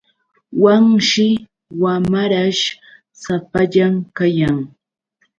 Wanshi wamarash sapallan kayan.